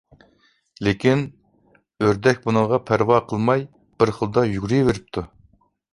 لېكىن، ئۆردەك بۇنىڭغا پەرۋا قىلماي بىر خىلدا يۈگۈرۈۋېرىپتۇ.